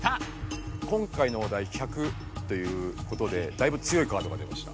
今回のおだい「１００」ということでだいぶ強いカードが出ました。